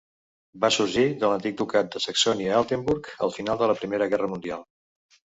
Va sorgir de l'antic Ducat de Saxònia-Altenburg al final de la Primera Guerra Mundial.